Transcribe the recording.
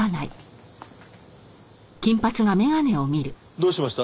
どうしました？